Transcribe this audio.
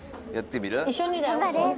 一緒にだよ。